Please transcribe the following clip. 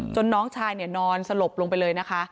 จนน้องชายเนี่ยนอนสลบลงไปเลยนะคะ